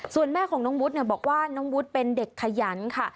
ส่วนแม่ของน้องวุฒิบอกว่าน้องวุฒิเป็นเด็กขยันค่ะ